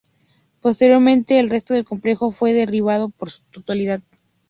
Posteriormente, el resto del complejo fue derribado en su totalidad.